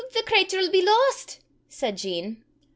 the cratur 'll be lost!" said Jean.